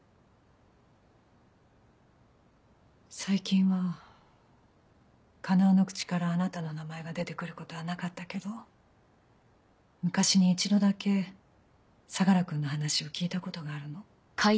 最近は叶の口からあなたの名前が出てくることはなかったけど昔に一度だけ相楽君の話を聞いたことがあるの。